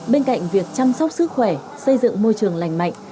bên cạnh việc chăm sóc sức khỏe xây dựng môi trường lành mạnh